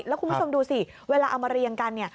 แล้วคุณผู้ชมดูสิเวลาเอามาเรียงกัน